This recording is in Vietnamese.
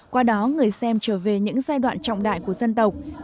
qua đó người xem trở về những giai đoạn trọng đại của dân tộc